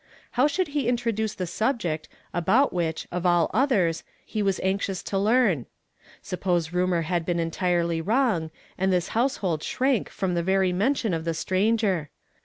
How should he intro duce the subject about which, of all others, he was anxious to learn? Suj)p()se rumor had been entirely wrong, and this household shrank from the very mention of the stranger?